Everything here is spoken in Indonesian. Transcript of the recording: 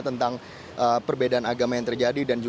tentang perbedaan agama yang terjadi